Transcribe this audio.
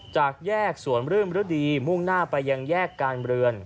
จากแยกสวนรื่มฤดีมุ่งหน้าไปยังแยกการเมือง